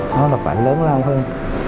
nó là phải lớn lên hơn